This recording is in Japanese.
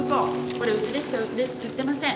これうちでしか売ってません！